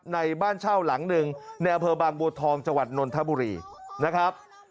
ในบ้านเช่าหลังหนึ่งในอำเภอบางบัวทองจังหวัดนนทบุรีนะครับ